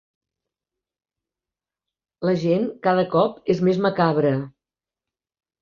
La gent cada cop és més macabra.